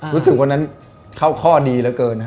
รู้สึกว่านะเขาข้อดีเหลือเกินค่ะ